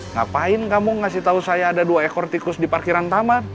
ngapain kamu ngasih tahu saya ada dua ekor tikus di parkiran taman